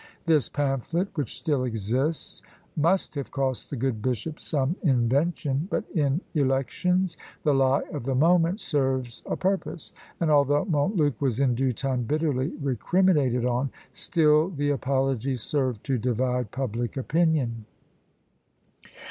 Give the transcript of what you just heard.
This pamphlet, which still exists, must have cost the good bishop some invention; but in elections the lie of the moment serves a purpose; and although Montluc was in due time bitterly recriminated on, still the apology served to divide public opinion.